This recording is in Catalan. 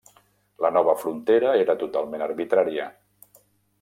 La nova frontera era totalment arbitrària.